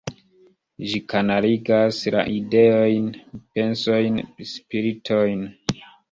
Ĝi kanaligas la ideojn, pensojn, spiritojn.